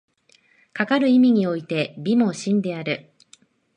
かかる意味において美も真である。